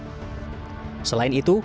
yang dapat menembus langsung ke dalam paru paru